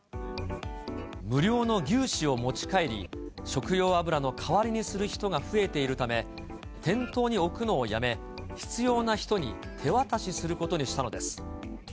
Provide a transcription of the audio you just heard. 無料の牛脂を持ち帰り、食用油の代わりにする人が増えているため、店頭に置くのをやめ、必要な人に手渡しすることにしたのです。